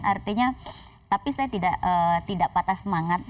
artinya tapi saya tidak patah semangat